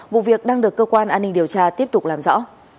vụ việc đang được cơ quan an ninh điều tra tiếp tục làm rõ